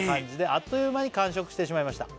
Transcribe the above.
「あっという間に完食してしまいました」